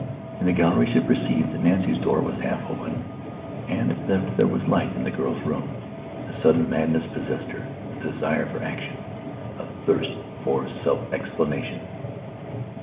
In the gallery she perceived that Nancy's door was half open and that there was a light in the girl's room. A sudden madness possessed her, a desire for action, a thirst for self explanation.